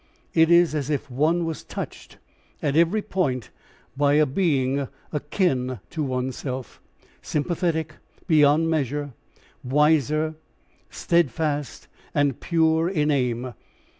It is as if one was touched at every point by a being akin to oneself, sympathetic, beyond measure wiser, steadfast and pure in aim.